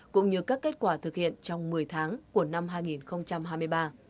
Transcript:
cũng như các kết quả thực hiện trong một mươi tháng của năm hai nghìn hai mươi ba